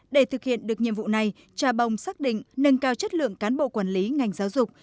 để thực hiện được nhiệm vụ này trà bồng xác định nâng cao chất lượng cán bộ quản lý ngành giáo dục